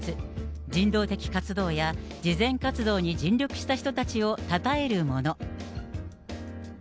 人道的活動や、慈善活動に尽力した人たちをたたえるもの。